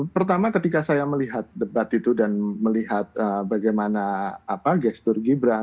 pertama ketika saya melihat debat itu dan melihat bagaimana gestur gibran